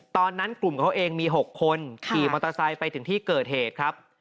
ตอนนั้นกลุ่มเขาเองมี๖คนขี่มอเตอร์ไซค์ไปถึงที่เกิดเหตุครับ